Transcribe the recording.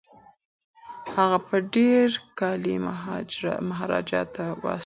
هغه به ډیر کالي مهاراجا ته واستوي.